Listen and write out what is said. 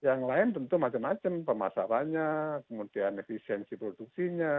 yang lain tentu macam macam pemasarannya kemudian efisiensi produksinya